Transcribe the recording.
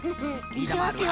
いきますよ。